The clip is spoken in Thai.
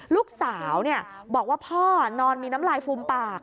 ลูกสาวบอกว่าพ่อนอนมีน้ำลายฟูมปาก